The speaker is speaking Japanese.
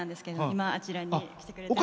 今、あちらに来てくれてます。